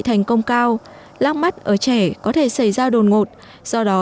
thành công cao lắc mắt ở trẻ có thể xảy ra đồn ngột do đó